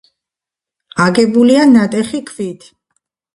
აგებულია ნატეხი ქვით.